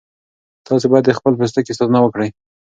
تاسي باید د خپل پوستکي ساتنه وکړئ.